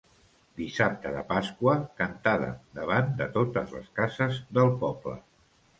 Dissabte de pasqua, cantada davant de totes les cases del poble.